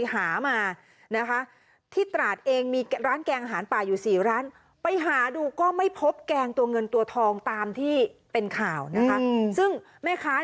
ครับที่ตราชเองมีร้านแกงอาหารปลาอยู่๔ร้านไปหาดูก็ไม่พบแกงตัวเงินตัวทองตามที่เป็นข่าวนะฮะ